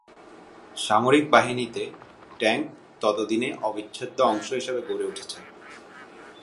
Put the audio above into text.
সামরিক বাহিনীতে ট্যাংক ততদিনে অবিচ্ছেদ্য অংশ হিসেবে গড়ে উঠছে।